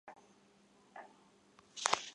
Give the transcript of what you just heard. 东京市民举行了盛大的庆祝活动。